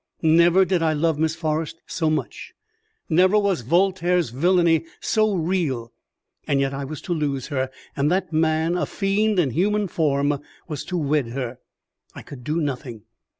Never did I love Miss Forrest so much, never was Voltaire's villainy so real; and yet I was to lose her, and that man a fiend in human form was to wed her. I could do nothing.